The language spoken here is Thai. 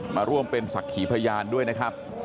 มาร่วมเป็นศักดิ์ขีพยานด้วยนะครับ